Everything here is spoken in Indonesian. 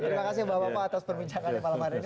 terima kasih bapak bapak atas perbincangannya malam hari ini